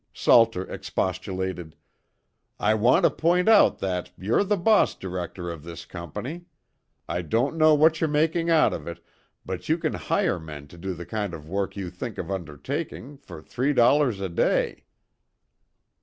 Salter expostulated, "I want to point out that you're the boss director of this company. I don't know what you're making out of it, but you can hire men to do the kind of work you think of undertaking for three dollars a day."